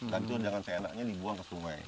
dan itu dengan seenaknya dibuang ke sungai